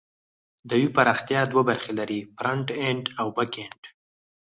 د ویب پراختیا دوه برخې لري: فرنټ اینډ او بیک اینډ.